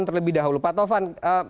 terlebih dahulu pak taufan